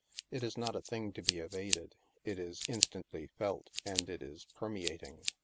It is not a thing to be evaded ; it is instantly felt, and it is permeating.